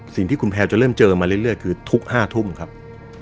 สิ่งที่คุณแพลวจะเริ่มเจอมาเรื่อยเรื่อยคือทุกห้าทุ่มครับเออ